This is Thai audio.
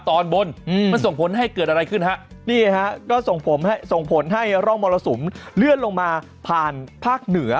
ตอนบนมันส่งผลให้เกิดอะไรขึ้นฮะนี่ฮะก็ส่งผลให้ส่งผลให้ร่องมรสุมเลื่อนลงมาผ่านภาคเหนือ